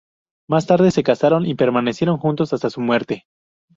Más tarde se casaron y permanecieron juntos hasta su muerte.